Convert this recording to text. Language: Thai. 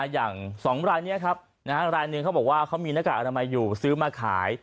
อย่าง๒รายนี้ครับรายหนึ่งเขาบอกว่าเขามีหน้ากากอนามัยอยู่ซื้อมาขาย